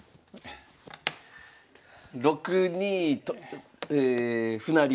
６二歩成。